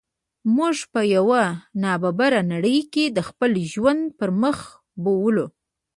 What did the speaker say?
موږ په یوه نا برابره نړۍ کې د خپل ژوند پرمخ بوولو.